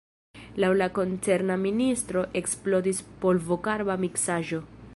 Laŭ la koncerna ministro eksplodis polvokarba miksaĵo.